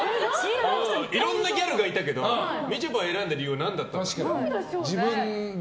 いろんなギャルがいたけどみちょぱを選んだ理由は何だったんだろう。